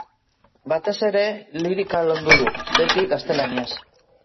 Batez ere lirika landu du, beti gaztelaniaz.